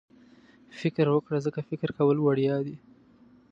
فکر وکړه ځکه فکر کول وړیا دي.